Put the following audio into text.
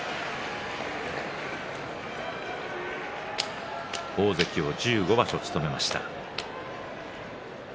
高安は大関を１５場所務めました。